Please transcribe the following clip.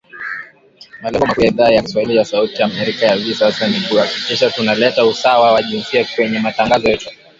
Malengo makuu ya Idhaa ya kiswahili ya Sauti ya Amerika kwa hivi sasa ni kuhakikisha tuna leta usawa wa jinsia kwenye matangazo yetu.